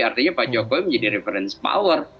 artinya pak jokowi menjadi reference power